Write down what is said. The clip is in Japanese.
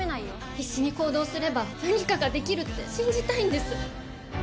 必死に行動すれば何かができるって信じたいんです